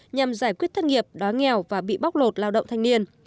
nhằm giải quyết thân nghiệp đoán nghèo và bị bóc lột lao động thanh niên